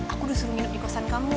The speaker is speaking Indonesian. aku udah suruh nginep di kosan kamu